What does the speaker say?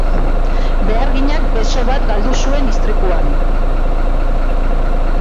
Beharginak beso bat galdu zuen istripuan.